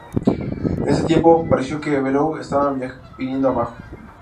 En este tiempo, pareció que Beulah estarán viniendo abajo.